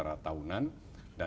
yang lebih pentingnya